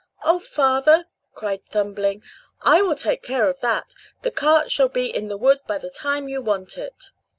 "Oh, father!" cried Thumbling, "I will take care of that; the cart shall be in the wood by the time you want it."